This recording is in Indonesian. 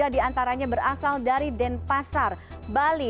tiga diantaranya berasal dari denpasar bali